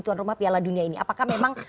tuan rumah piala dunia ini apakah memang